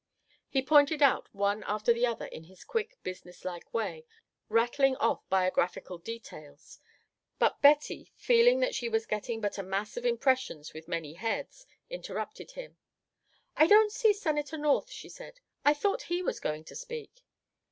He pointed out one after the other in his quick businesslike way, rattling off biographical details; but Betty, feeling that she was getting but a mass of impressions with many heads, interrupted him. "I don't see Senator North," she said. "I thought he was going to speak."